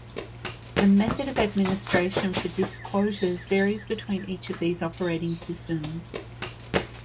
The method of administration for disk quotas varies between each of these operating systems.